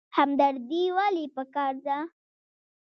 همدردي ولې پکار ده؟